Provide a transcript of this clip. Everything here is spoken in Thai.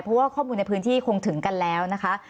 เพราะว่าข้อมูลในพื้นที่คงถึงกันแล้วนะคะ